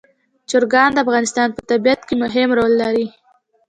چرګان د افغانستان په طبیعت کې مهم رول لري.